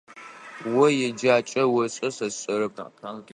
О еджакӏэ ошӏэ, сэ сшӏэрэп.